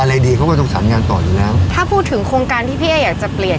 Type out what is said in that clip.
อะไรดีเขาก็ต้องสารงานต่ออยู่แล้วถ้าพูดถึงโครงการที่พี่เอ๊อยากจะเปลี่ยน